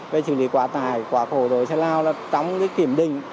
về xử lý quả tải quả khổ đối với xe lao là trong cái kiểm đình